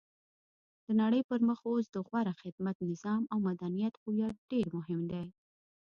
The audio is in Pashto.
د نړۍ پرمخ اوس د غوره خدمت، نظام او مدنیت هویت ډېر مهم دی.